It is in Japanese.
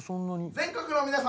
全国の皆様